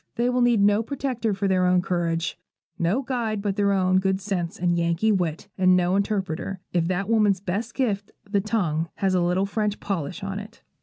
They will need no protector but their own courage, no guide but their own good sense and Yankee wit, and no interpreter, if that woman's best gift, the tongue, has a little French polish on it.